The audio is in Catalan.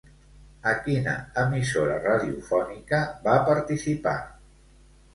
A quina emissora radiofònica va participar?